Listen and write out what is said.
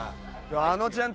あのちゃん